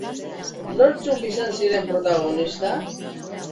Nortzuk izan ziren protagonista?